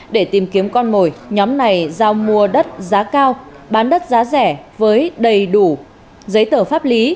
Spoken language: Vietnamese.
để tìm kiếm con mồi nhóm này giao mua đất giá cao bán đất giá rẻ với đầy đủ giấy tờ pháp lý